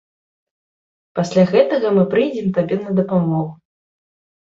Пасля гэтага мы прыйдзем табе на дапамогу.